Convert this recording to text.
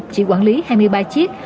chỉ quản lý hai mươi ba chiếc